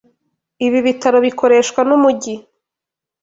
Ibi bitaro bikoreshwa numujyi.